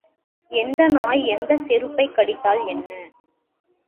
எந்த நாய் எந்தச் செருப்பைக் கடித்தால் என்ன?